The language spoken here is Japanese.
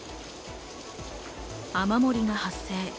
雨漏りが発生。